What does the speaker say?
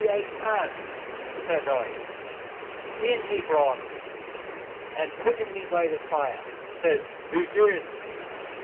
I can," says I. In he brought me ; and putting me by the fire, says :" Begin."